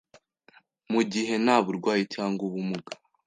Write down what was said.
mu gihe nta burwayi cyangwa ubumuga